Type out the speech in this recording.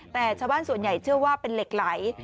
แต่ชาวบ้านส่วนใหญ่เชื่อว่าเป็นเหล็กไหล